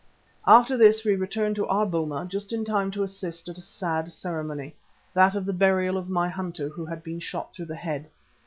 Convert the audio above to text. After this we returned to our boma just in time to assist at a sad ceremony, that of the burial of my hunter who had been shot through the head.